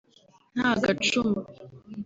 (nta gacumu